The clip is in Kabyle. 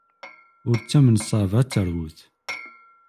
Ur ttamen ṣṣaba ar terwet!